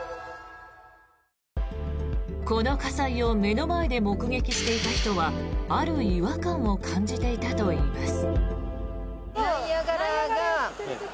この火災を目の前で目撃していた人はある違和感を感じていたといいます。